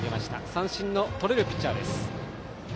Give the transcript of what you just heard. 三振のとれるピッチャーです。